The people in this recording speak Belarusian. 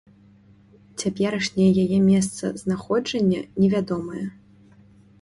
Цяперашняе яе месцазнаходжанне невядомае.